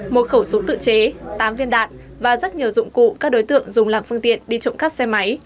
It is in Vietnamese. một khẩu súng tự chế tám viên đạn và rất nhiều dụng cụ các đối tượng dùng làm phương tiện đi trộm cắp xe máy